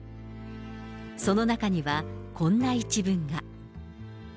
その中には、こんな一文が。